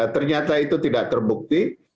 ternyata itu tidak terbukti